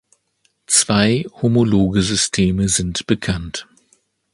Zwei homologe Systeme sind bekannt.